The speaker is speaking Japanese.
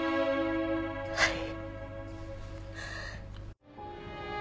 はい。